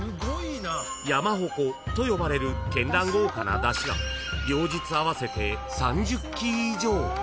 ［山鉾と呼ばれる絢爛豪華な山車が両日合わせて］